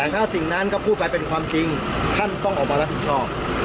ถ้าสิ่งนั้นก็พูดไปเป็นความจริงท่านต้องออกมารับผิดชอบ